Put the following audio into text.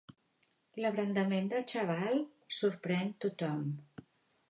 L'abrandament del xaval sorprèn tothom.